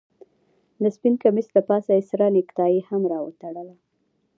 د سپين کميس له پاسه يې سره نيكټايي هم راوتړله.